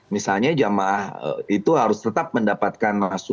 misalnya jemaah itu harus tetap mendapatkan